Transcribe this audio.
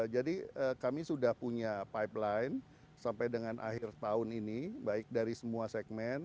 jadi kami sudah punya pipeline sampai dengan akhir tahun ini baik dari semua segmen